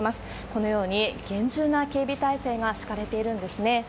このように厳重な警備態勢が敷かれているんですね。